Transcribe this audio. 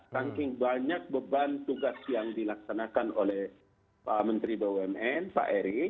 saking banyak beban tugas yang dilaksanakan oleh pak menteri bumn pak erik